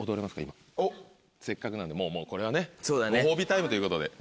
せっかくなんでこれはねご褒美タイムということで。